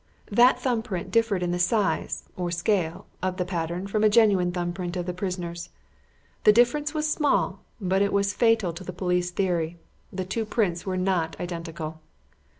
That thumb print differed in the size, or scale, of the pattern from a genuine thumb print of the prisoner's. The difference was small, but it was fatal to the police theory; the two prints were not identical.